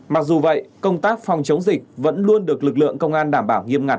mặc dù vậy công tác phòng chống dịch vẫn luôn được lực lượng công an đảm bảo nghiêm ngặt